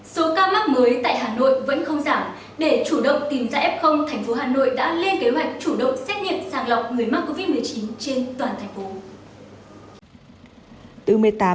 số ca mắc mới tại hà nội vẫn không giảm